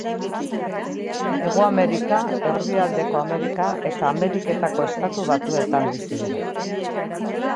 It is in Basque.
Hego Amerika, Erdialdeko Amerika eta Ameriketako Estatu Batuetan bizi dira.